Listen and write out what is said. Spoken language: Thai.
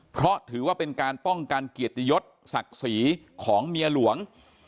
เพราะถือว่าเป็นการป้องกันเกียรติยศศักดิ์ศรีของเมียหลวง